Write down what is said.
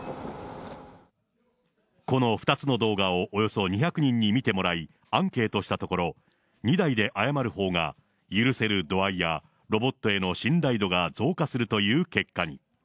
この２つの動画をおよそ２００人に見てもらい、アンケートしたところ、２台で謝るほうが許せる度合いやロボットへの信頼度が増加するという結果に。